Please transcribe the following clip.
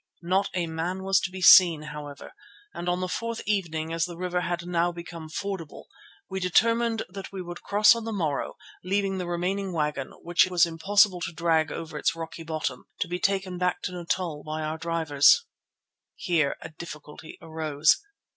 Not a man was to be seen, however, and on the fourth evening, as the river had now become fordable, we determined that we would cross on the morrow, leaving the remaining wagon, which it was impossible to drag over its rocky bottom, to be taken back to Natal by our drivers. Here a difficulty arose.